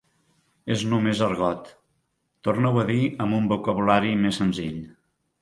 És només argot! Torna-ho a dir amb un vocabulari més senzill